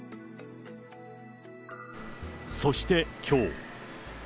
そしてきょう。